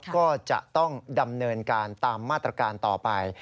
ก็จะต้องดำเนินการตามมาตรการต่อไป